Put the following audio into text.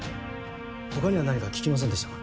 他には何か聞きませんでしたか？